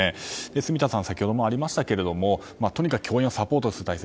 住田さん、先ほどもありましたがとにかく教員をサポートする体制。